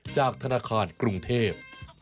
จากธนาคารกรุงเทพ